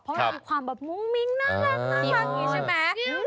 เพราะมันมีความแบบมุ้งมิ้งน่ารักอย่างนี้ใช่ไหม